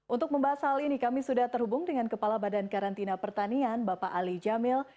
untuk membahas hal ini kami sudah terhubung dengan kepala badan karantina pertanian bapak ali jamil